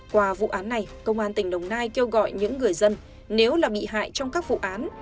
qua vụ án này công an tỉnh đồng nai kêu gọi những người dân nếu là bị hại trong các vụ án